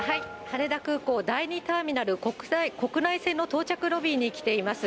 羽田空港第２ターミナル、国内線の到着ロビーに来ています。